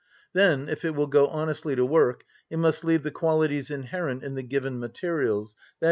Then, if it will go honestly to work, it must leave the qualities inherent in the given materials, _i.